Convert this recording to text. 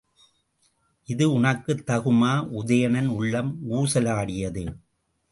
இது உனக்குத் தகுமா? உதயணன் உள்ளம் ஊசலாடியது.